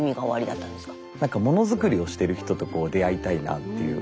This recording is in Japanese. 何かものづくりをしてる人とこう出会いたいなっていう。